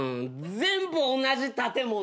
全部同じ建物！？